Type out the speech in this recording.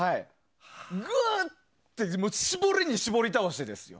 ぐーっと絞りに絞り倒してですよ。